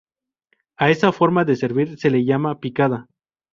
A esa forma de servir se la llama picada.